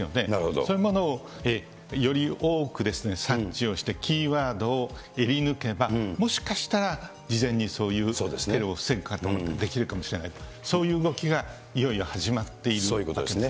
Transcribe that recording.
そういうものをより多く察知をしてキーワードをえり抜けば、もしかしたら事前にそういうテロを防ぐこともできるかもしれない、そういう動きがいよいよ始まっている感じですね。